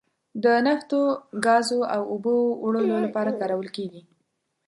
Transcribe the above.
د نفتو، ګازو او اوبو وړلو لپاره کارول کیږي.